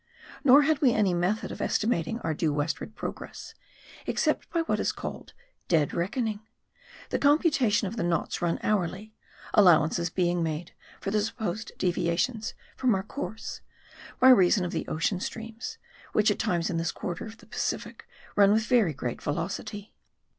Nor had we any method of esti mating our due westward progress, except by what is called Dead Reckoning, the computation of the knots run hourly ; allowances being made for the supposed deviations from our course, by reason of the ocean streams ; which at times in this quarter of the Pacific run with very great velocity.